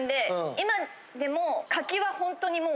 今でも。